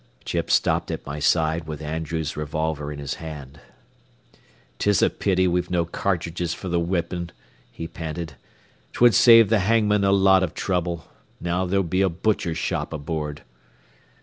Chips stopped at my side with Andrews's revolver in his hand. "'Tis a pity we've no cartridges fer th' weepin," he panted; "'twould save th' hangman a lot o' trouble. Now there'll be a butcher's shop aboard."